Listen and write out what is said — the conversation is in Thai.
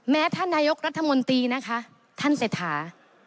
ท่านนายกรัฐมนตรีนะคะท่านเศรษฐา